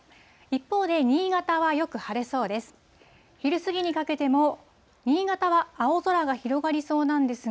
一方で、新潟はよく晴れそうです。